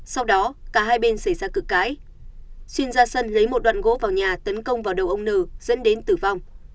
sau đó cả hai bên xảy ra cực cãi xin ra sân lấy một đoạn gỗ vào nhà tấn công vào đầu ông n dẫn đến tử vong